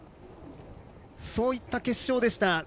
そういった決勝でした。